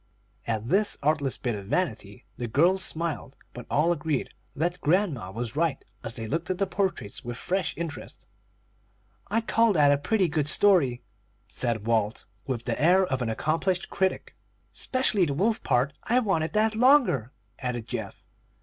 At this artless bit of vanity, the girls smiled, but all agreed that grandma was right, as they looked at the portraits with fresh interest. "I call that a pretty good story," said Walt, with the air of an accomplished critic. "'Specially the wolf part. I wanted that longer," added Geoff.